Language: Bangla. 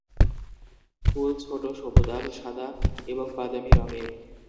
ফুল ছোট সবুজাভ সাদা এবং বাদামী রঙের।